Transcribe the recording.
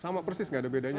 sama persis nggak ada bedanya